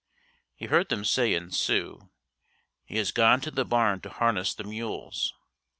He heard them say in Sioux "He has gone to the barn to harness the mules."